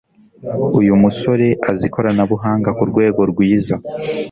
Uyu musore azi ikoranabuhanga kurwego rwiza